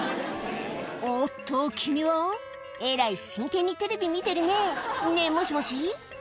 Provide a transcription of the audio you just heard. おっと君はえらい真剣にテレビ見てるねねぇもしもし？